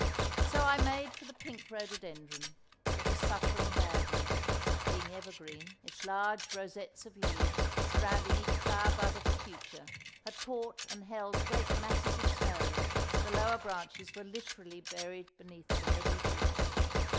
So I made for the pink rhododendron, that was suffering badly; being evergreen, its large rosettes of leaves, surrounding each flower bud of the future, had caught and held great masses of snow; the lower branches were literally buried beneath the heavy drifts.